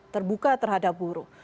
terbuka terhadap buruh